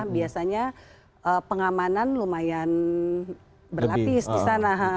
biasanya pengamanan lumayan berlapis di sana